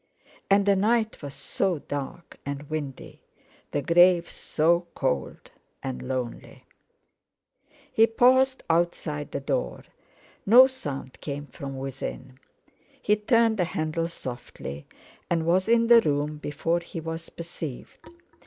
And the night was so dark and windy; the grave so cold and lonely! He paused outside the door. No sound came from within. He turned the handle softly and was in the room before he was perceived.